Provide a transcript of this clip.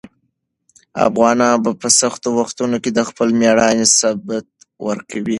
افغانان په سختو وختونو کې د خپل مېړانې ثبوت ورکوي.